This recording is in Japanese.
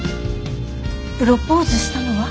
プロポーズしたのは。